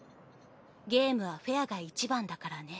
ゲームはフェアがいちばんだからね」。